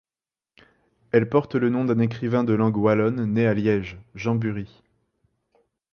Elle porte le nom d'un écrivain de langue wallonne né à Liège, Jean Bury.